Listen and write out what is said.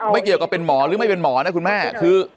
เกี่ยวกับเป็นหมอหรือไม่เป็นหมอนะคุณแม่คือ